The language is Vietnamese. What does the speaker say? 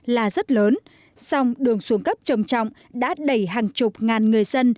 là rất lớn song đường xuống cấp trầm trọng đã đẩy hàng chục ngàn người dân